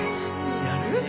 やる？